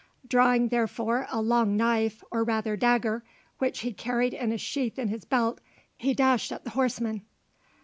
Drawing therefore a long knife, or rather dagger, which he carried in a sheath in his belt, he dashed at the horseman.